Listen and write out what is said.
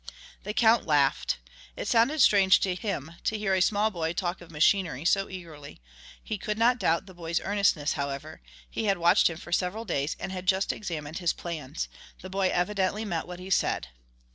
The Count laughed. It sounded strange to him to hear a small boy talk of machinery so eagerly. He could not doubt the boy's earnestness, however. He had watched him for several days and had just examined his plans. The boy evidently meant what he said.